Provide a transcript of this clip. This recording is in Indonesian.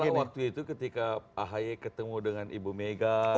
malah waktu itu ketika ahi ketemu dengan ibu megawati